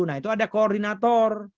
nah itu ada koordinator